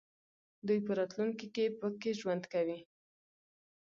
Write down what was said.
دوی په راتلونکي کې پکې ژوند کوي.